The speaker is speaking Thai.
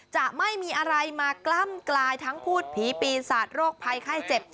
จะไม่มีอะไรมากล้ำกลายทั้งพูดผีปีศาจโรคภัยไข้เจ็บ